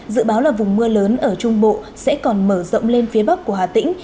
dự báo là vùng mưa lớn ở trung bộ sẽ còn mở rộng lên phía bắc của hà tĩnh